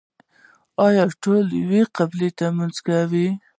آیا ټول یوې قبلې ته لمونځ کوي؟